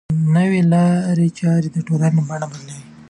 نوې لارې چارې د ټولنې بڼه بدلوي.